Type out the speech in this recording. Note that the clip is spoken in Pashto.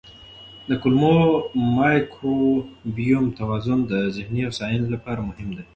د کولمو مایکروبیوم توازن د ذهني هوساینې لپاره مهم دی.